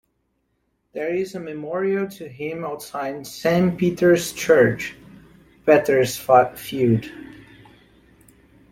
There is a memorial to him outside Saint Peter's Church, Petersfield.